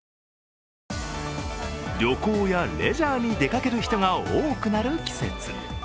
旅行やレジャーに出かける人が多くなる季節。